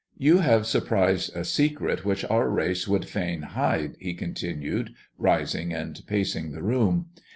" You have surprised a secret which our race would fain hide," he continued, rising and pacing the room.